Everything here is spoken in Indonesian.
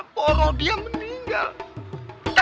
boro dia meninggal